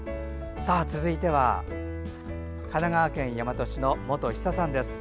続いては、神奈川県大和市の本ひささんです。